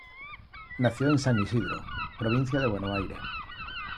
Nació en San Isidro, provincia de Buenos Aires.